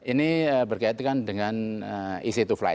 ini berkaitan dengan easy to fly